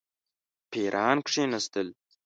پیران کښېنستل.